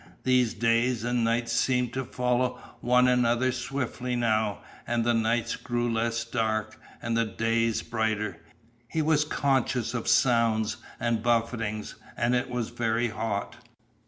These days and nights seemed to follow one another swiftly now, and the nights grew less dark, and the days brighter. He was conscious of sounds and buffetings, and it was very hot.